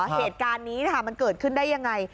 เหตุการณ์นี้มันเกิดขึ้นได้ยังไง